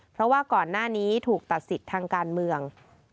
เพราะว่าก่อนหน้านี้ถูกตัดสิทธิ์ทางการเมือง